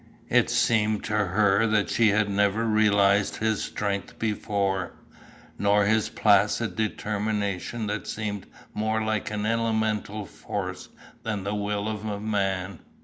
It seemed to her that she had never realized his strength before, nor his placid determination that seemed more like an elemental force than the will of a man.